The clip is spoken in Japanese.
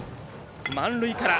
満塁から。